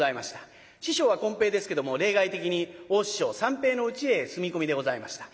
師匠はこん平ですけども例外的に大師匠三平のうちへ住み込みでございました。